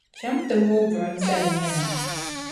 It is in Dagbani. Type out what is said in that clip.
Cham’ nti mooi buɣimsal’ nɛma.